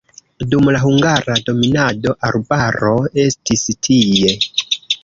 Dum la hungara dominado arbaro estis tie.